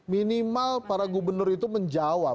minimal para gubernur itu menjawab